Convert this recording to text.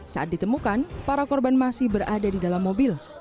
saat ditemukan para korban masih berada di dalam mobil